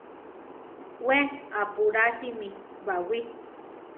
We apulásimi baʼwí.